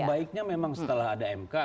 yang baiknya memang setelah ada mk